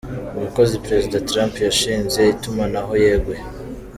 Umukozi Perezida Trump yashinze itumunaho yeguye .